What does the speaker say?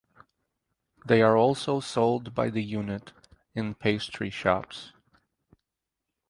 They are also sold by the unit in pastry shops.